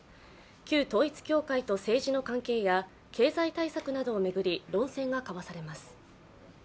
旧統一教会と政治の関係や経済対策などを巡り論戦が交わされます。